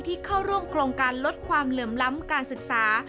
เข้าร่วมโครงการลดความเหลื่อมล้ำการศึกษา